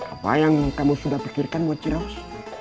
apa yang kamu sudah pikirkan buat jeros